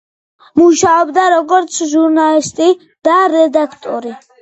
მუშაობდა როგორც ჟურნალისტი და რედაქტორი.